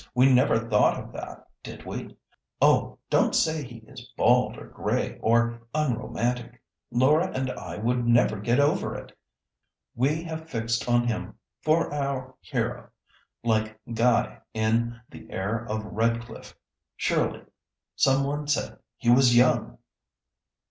we never thought of that, did we? Oh! don't say he is bald or grey, or unromantic. Laura and I would never get over it. We have fixed on him for our hero, like Guy in the Heir of Redclyffe. Surely some one said he was young!"